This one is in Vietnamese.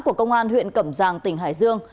của công an huyện cẩm giang tỉnh hải dương